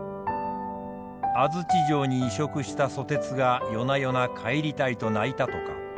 安土城に移植した蘇鉄が夜な夜な「帰りたい」と泣いたとか。